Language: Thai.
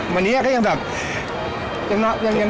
วันนี้ก็ยังเตรียมกระเทียง